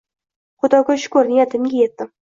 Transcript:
Xudoga shukr, niyatimga etdim